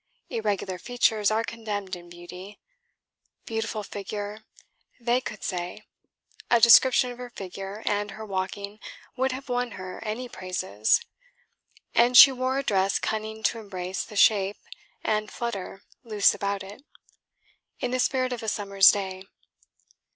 Irregular features are condemned in beauty. Beautiful figure, they could say. A description of her figure and her walking would have won her any praises: and she wore a dress cunning to embrace the shape and flutter loose about it, in the spirit of a Summer's day.